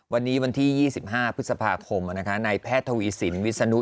วันนี้วันที่ยี่สิบห้าพฤษภาคมนะคะในแพทย์ทวิสินวิสนุ